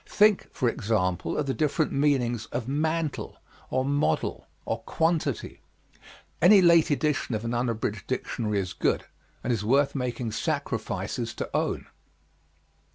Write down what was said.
Think, for example, of the different meanings of mantle, or model, or quantity. Any late edition of an unabridged dictionary is good, and is worth making sacrifices to own.